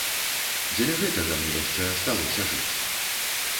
Дзеля гэтага мне яшчэ асталося жыць.